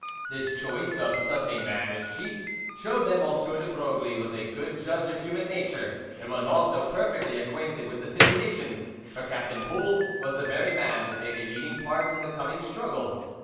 This choice of such a man as chief showed that M. de Broglie was a good judge of human nature, and was also perfectly acquainted with the situation, for Captain Poul was the very man to take a leading part in the coming struggle.